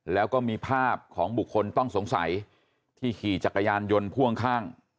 แล้วก็มีภาพของบุคคลต้องสงสัยที่ขี่จักรยานยนต์พ่วงข้าง